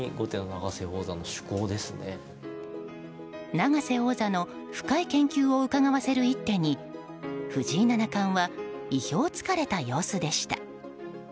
永瀬王座の深い研究をうかがわせる一手に藤井七冠は意表を突かれた様子でした。